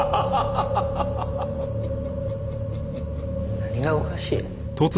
何がおかしい？